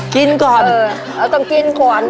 กินก่อนเราต้องกินก่อน